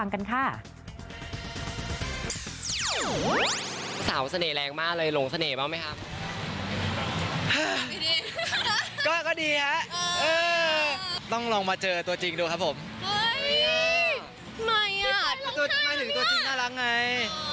หมายถึงตัวจริงน่ารักไง